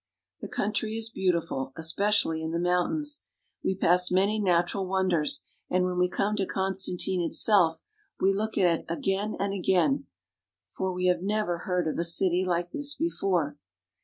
The country is beautiful, especially in the mountains. We pass many natural wonders, and when we come to Couatantine itself we look at it again and again, for we "Constanline slands upon a rocky plaleau ..." have never heard of a city like this before.